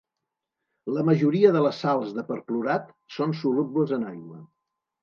La majoria de les sals de perclorat són solubles en aigua.